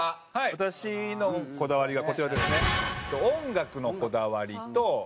私のこだわりがこちらですね。